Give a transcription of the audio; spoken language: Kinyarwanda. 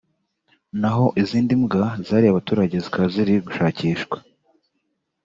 naho izindi mbwa zariye abaturage zikaba ziri gushakishwa